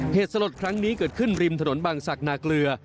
สลดครั้งนี้เกิดขึ้นริมถนนบางศักดิ์นาเกลือ